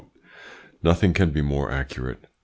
Nothing can be more accurate.